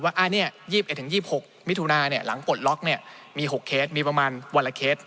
ว่า๒๑๒๖มิถุนาหลังปลดล็อกมี๖เคสมีประมาณวันละเคส